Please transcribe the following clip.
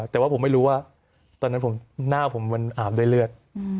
แต่ว่าผมไม่รู้ว่าตอนนั้นหน้าผมมันอาบด้วยเลือด